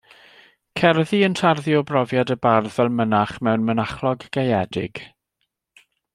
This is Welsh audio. Cerddi yn tarddu o brofiad y bardd fel mynach mewn mynachlog gaeedig.